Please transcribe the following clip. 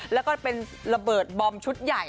แล้วก็เป็นระเบิดบอมชุดใหญ่